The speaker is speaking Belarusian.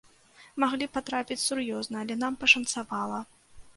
Маглі патрапіць сур'ёзна, але нам пашанцавала.